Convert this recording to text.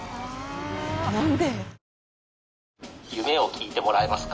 何で？